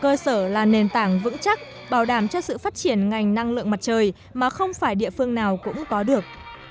cơ sở là nền tảng vững chắc bảo đảm cho sự phát triển ngành năng lượng mặt trời mà không phải địa phương nào cũng có được